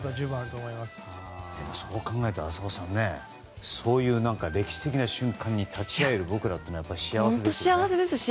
そう考えたら、浅尾さんそういう歴史的な瞬間に立ち会える僕らは幸せですよね。